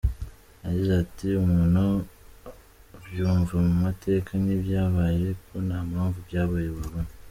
Yagize ati “Umuntu abyumva mu mateka nk’ibyabaye, ariko nta mpamvu byabaye wabona.